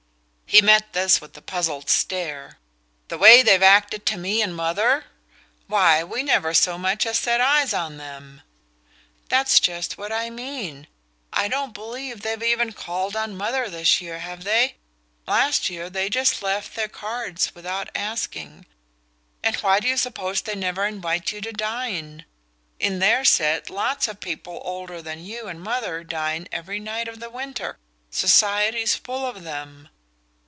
He met this with a puzzled stare. "The way they've acted to me and mother? Why, we never so much as set eyes on them." "That's just what I mean! I don't believe they've even called on mother this year, have they? Last year they just left their cards without asking. And why do you suppose they never invite you to dine? In their set lots of people older than you and mother dine every night of the winter society's full of them.